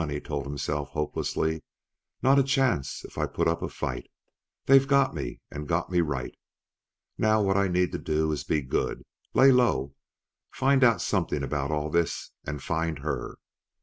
he told himself hopelessly. "Not a chance if I put up a fight! They've got me and got me right. Now what I need to do is to be good lay low find out something about all this, and find her!"